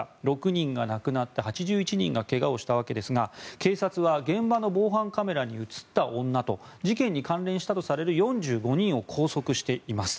６人が亡くなって８１人が怪我をしたわけですが警察は現場の防犯カメラに映った女と事件に関連したとされる４５人を拘束しています。